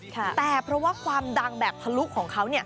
แต่เพราะว่าความดังแบบทะลุของเขา